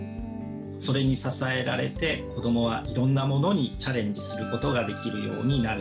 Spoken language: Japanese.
それに支えられて子どもはいろんなものにチャレンジすることができるようになる。